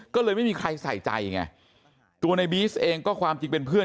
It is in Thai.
ก็เลยไม่มีใครใส่ใจไงตัวในบีสเองก็ความจริงเป็นเพื่อน